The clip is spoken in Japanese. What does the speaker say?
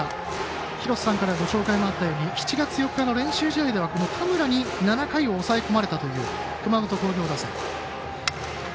廣瀬さんからご紹介もあったように７月４日の練習試合ではこの田村に７回を抑え込まれたという熊本工業打線。